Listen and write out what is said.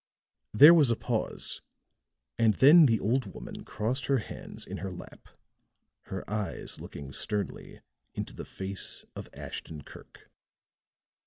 There was a pause, and then the old woman crossed her hands in her lap, her eyes looking sternly into the face of Ashton Kirk.